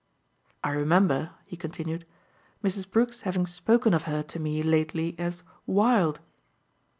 I remember," he continued, "Mrs. Brook's having spoken of her to me lately as 'wild.